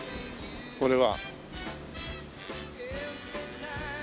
これは。